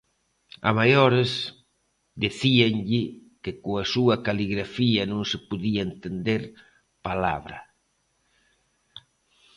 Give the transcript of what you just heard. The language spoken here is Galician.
A maiores, decíanlle que coa súa caligrafía non se podía entender palabra